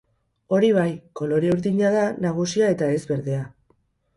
Hori bai, kolore urdina da nagusia eta ez berdea.